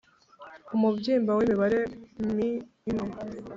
umubyimba w’imibare mm imwe